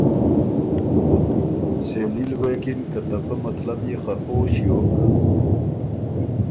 سېلی ل غوېکِن که ته پۀ مطلب يې خه او ݭیوک۔